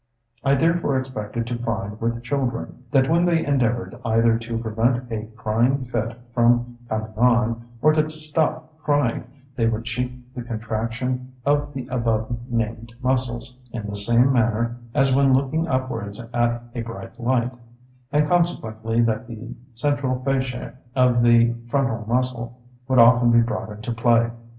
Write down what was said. I therefore expected to find with children, that when they endeavoured either to prevent a crying fit from coming on, or to stop crying, they would cheek the contraction of the above named muscles, in the same manner as when looking upwards at a bright light; and consequently that the central fasciae of the frontal muscle would often be brought into play.